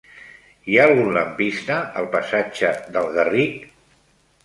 Hi ha algun lampista al passatge del Garric?